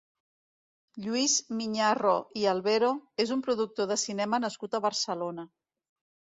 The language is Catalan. Lluís Miñarro i Albero és un productor de cinema nascut a Barcelona.